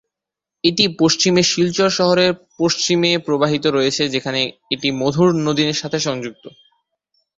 এটি পশ্চিমে শিলচর শহরের পশ্চিমে প্রবাহিত রয়েছে যেখানে এটি মধুর নদীর সাথে সংযুক্ত।